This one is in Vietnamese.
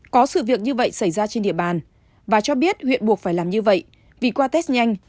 có sự việc như vậy xảy ra trên địa bàn và cho biết huyện buộc phải làm như vậy vì qua test nhanh